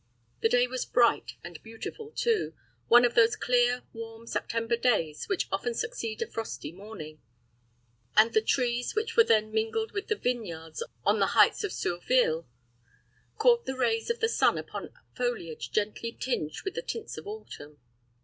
The day was bright and beautiful, too; one of those clear, warm, September days, which often succeed a frosty morning; and the trees, which were then mingled with the vineyards on the heights of Surville, caught the rays of the sun upon foliage gently tinged with the tints of autumn.